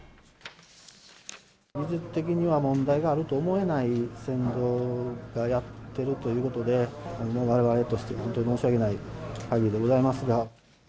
技術的には問題があると思えない船頭がやっているということで、われわれとしては本当に申し訳ないかぎりでございますが。